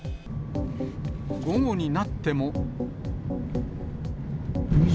午後になっても。